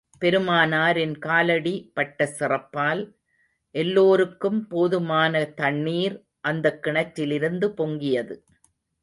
பெருமானாரின் காலடி பட்ட சிறப்பால், எல்லோருக்கும் போதுமான தண்ணீர், அந்தக் கிணற்றிலிருந்து பொங்கியது.